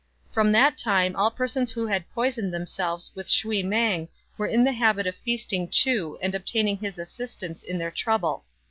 From that time all persons who had poisoned themselves with shui mang were in the habit of feasting Chu and obtaining his assistance in their trouble.